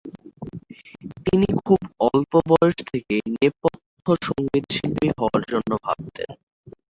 তিনি খুব অল্প বয়স থেকেই নেপথ্য সঙ্গীতশিল্পী হওয়ার জন্য ভাবতেন।